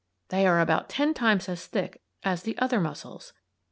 They are about ten times as thick as the other muscles.